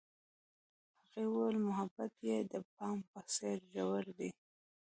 هغې وویل محبت یې د بام په څېر ژور دی.